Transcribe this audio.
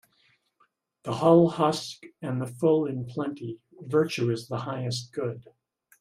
The hull husk and the full in plenty Virtue is the highest good.